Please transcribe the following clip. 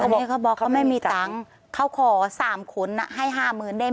นี่เขาบอกเขาไม่มีตังค์เขาขอ๓ขุนให้ห้าหมื่นได้ไหม